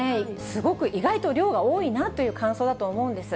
すごく意外と量が多いなという感想だと思うんです。